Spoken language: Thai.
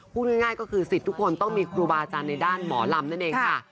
พูดง่ายก็คือสิทธิ์ทุกคนต้องมีครูบาอาจารย์ในด้านหมอลำนั่นเองค่ะ